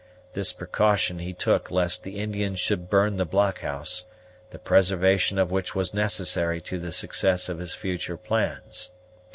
This precaution he took lest the Indians should burn the blockhouse, the preservation of which was necessary to the success of his future plans.